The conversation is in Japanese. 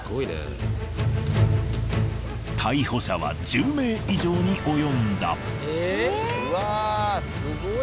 逮捕者は１０名以上に及んだ。